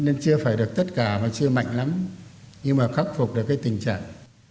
nên chưa phải được tất cả và chưa mạnh lắm nhưng mà khắc phục được cái tình trạng